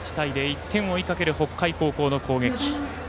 １点を追いかける北海高校の攻撃。